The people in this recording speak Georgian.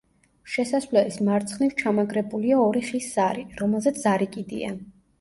შესასვლელის მარცხნივ ჩამაგრებულია ორი ხის სარი, რომელზეც ზარი კიდია.